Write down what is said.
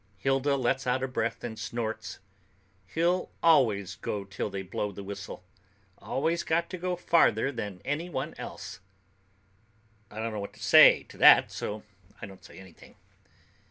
Hilda lets out a breath and snorts, "He'll always go till they blow the whistle. Always got to go farther than anyone else." I don't know what to say to that, so I don't say anything.